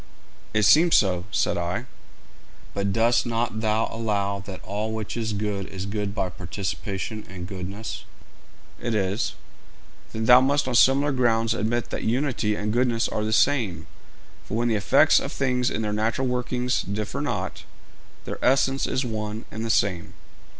'It seems so,' said I. 'But dost not thou allow that all which is good is good by participation in goodness?' 'It is.' 'Then, thou must on similar grounds admit that unity and goodness are the same; for when the effects of things in their natural working differ not, their essence is one and the same.'